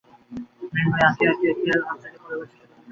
মৃন্ময়ী আঁকিয়া বাঁকিয়া হাত ছাড়াইয়া পলাইবার চেষ্টা করিল, কিন্তু পারিল না।